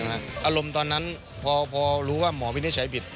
อารมณ์ตอนนั้นพอรู้ว่าหมอวินิจฉัยบิด